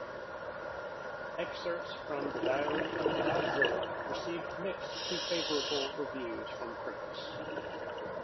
"Excerpts from the Diary of Todd Zilla" received mixed-to-favorable reviews from critics.